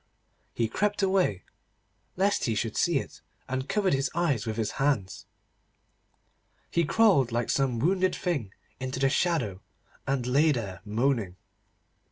He crept away, lest he should see it, and covered his eyes with his hands. He crawled, like some wounded thing, into the shadow, and lay there moaning.